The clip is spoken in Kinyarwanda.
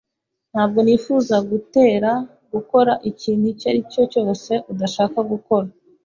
Ntabwo nifuza kugutera gukora ikintu icyo ari cyo cyose udashaka gukora.